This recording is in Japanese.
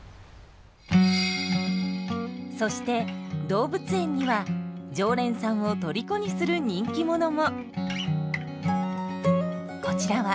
そして動物園には常連さんをとりこにする人気者も。